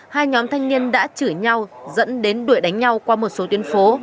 hai nhóm thanh niên đã chửi nhau dẫn đến đuổi đánh nhau qua một số tuyến phố